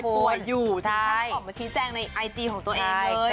ป่วยอยู่ใช่ถ้าถ้าผมมาชี้แจงในไอจีของตัวเองเลย